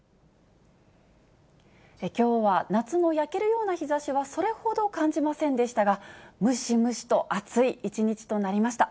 きょうは夏の焼けるような日ざしはそれほど感じませんでしたが、ムシムシと暑い一日となりました。